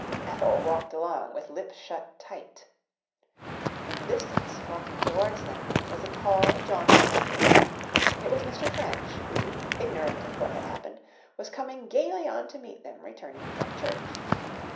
Ethel walked along with lips tight shut. In the distance, walking towards them, was a tall, jaunty figure. It was Mr. French, who, ignorant of what had happened, was coming gaily on to meet them returning from church.